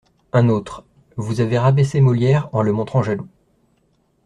Un autre :« Vous avez rabaissé Molière en le montrant jaloux.